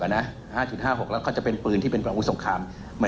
อ่ะนะห้าจุดห้าหกแล้วเขาจะเป็นปืนที่เป็นประมูลสงคราม